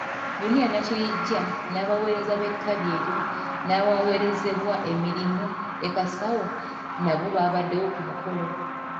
Unia Nakirijja n'abaweereza b'ettabi eryo n'awaweerezebwa emirimu e Kasawo nabo baabaddewo ku mukolo.